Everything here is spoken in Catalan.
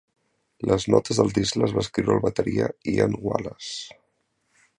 Les notes del disc les va escriure el bateria Ian Wallace.